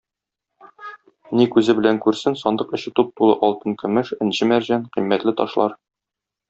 Ни күзе белән күрсен, сандык эче туп-тулы алтын-көмеш, энҗе-мәрҗән, кыйммәтле ташлар.